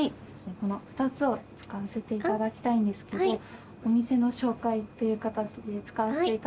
この２つを使わせていただきたいんですけどお店の紹介という形で使わせていただいても。